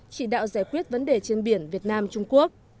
chỉ đạo giải quyết vấn đề trên biển việt nam trung quốc